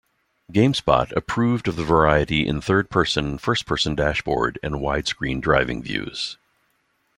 GameSpot approved of the variety in third-person, first-person dashboard, and widescreen driving views.